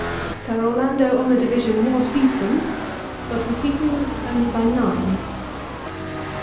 Sir Orlando on the division was beaten, but was beaten only by nine.